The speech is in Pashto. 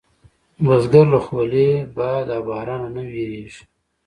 بزګر له خولې، بادې او بارانه نه وېرېږي نه